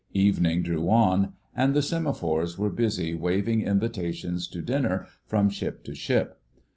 Evening drew on, and the semaphores were busy waving invitations to dinner from ship to ship.